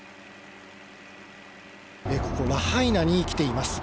ここ、ラハイナに来ています。